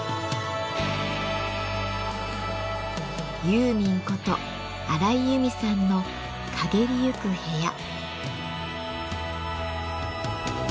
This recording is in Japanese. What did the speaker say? ユーミンこと荒井由実さんの「翳りゆく部屋」。